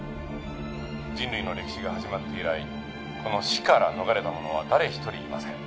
人類の歴史が始まって以来この死から逃れた者は誰一人いません。